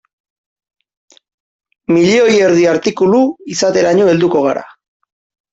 Milioi erdi artikulu izateraino helduko gara.